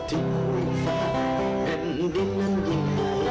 สธิปุ่นฟ้าเป็นดินทรัพย์ยิ่งใหม่